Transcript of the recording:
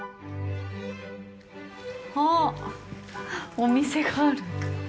あっ、お店がある。